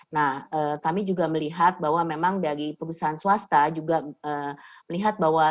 nah kami juga melihat bahwa memang dari perusahaan swasta juga melihat bahwa